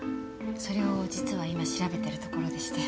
それを実は今調べてるところでして。